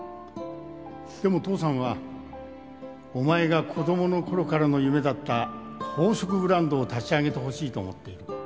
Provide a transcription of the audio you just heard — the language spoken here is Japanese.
「でも父さんはお前が子供の頃からの夢だった宝飾ブランドを立ち上げてほしいと思っている」